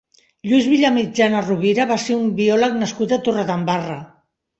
Lluís Vallmitjana Rovira va ser un biòleg nascut a Torredembarra.